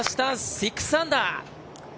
６アンダー。